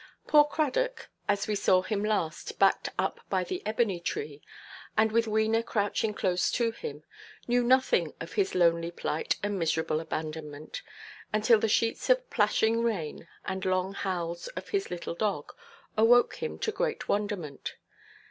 Poor Cradock, as we saw him last, backed up by the ebony–tree, and with Wena crouching close to him, knew nothing of his lonely plight and miserable abandonment; until the sheets of plashing rain, and long howls of his little dog, awoke him to great wonderment.